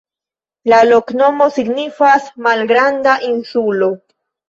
La loknomo signifas: malgranda insulo.